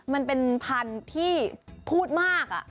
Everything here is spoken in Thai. มันเป็นพันธุ์ที่พูดมาก